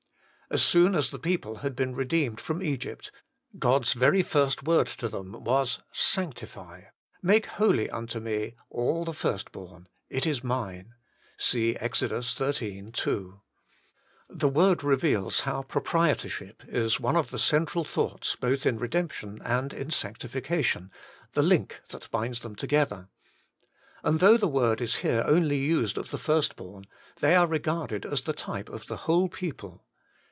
As soon as the people had been redeemed from Egypt, God's very first word to them was, ' Sanctify make holy unto me all the first born : it is mine.' (See Ex. xiii. 2.) The word reveals how proprietorship is one of the central thoughts both in redemption and in sanctification, the link that binds them together. And though the word is here only used of the first born, they are regarded as the type of the whole people.